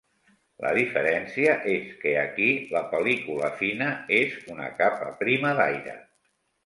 La diferència és que aquí "la pel·lícula fina" és una capa prima d'aire.